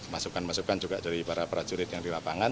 masukan masukan juga dari para prajurit yang di lapangan